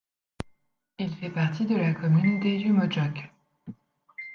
Il fait partie de la commune d'Eyumodjock.